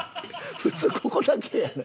普通ここだけやねん。